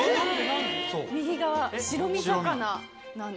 右側白身魚なんです。